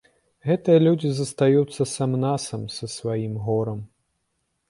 Гэтыя людзі застаюцца сам-насам са сваім горам.